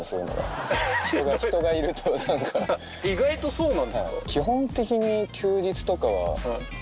意外とそうなんですか？